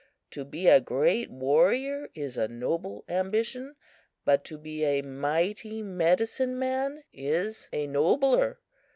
To be a great warrior is a noble ambition; but to be a mighty medicine man is a nobler!"